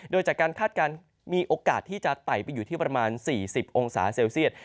โดยจากการคาดการณ์มีโอกาสที่จะไต่ไปอยู่ที่ประมาณ๔๐องศาเซลเซียต